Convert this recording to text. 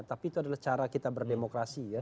tapi itu adalah cara kita berdemokrasi ya